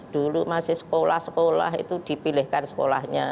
dulu masih sekolah sekolah itu dipilihkan sekolahnya